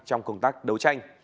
trong công tác đấu tranh